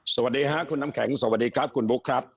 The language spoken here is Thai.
สวัสดีค่ะคุณน้ำแข็งสวัสดีครับคุณบุ๊คครับ